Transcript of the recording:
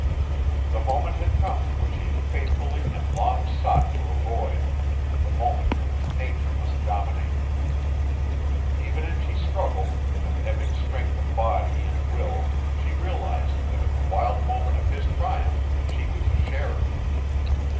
The moment had come which she had faithfully and long sought to avoid: the moment which nature must dominate. Even as she struggled, with an ebbing strength of body and will she realized that in the wild moment of his triumph she was a sharer.